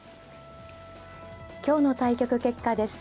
今日の対局結果です。